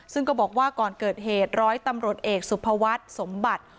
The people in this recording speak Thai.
ซึ่งก็บอกว่าก่อนเกิดเหตุร้อยตำรวจเอกสุภวัฒน์สมบัติ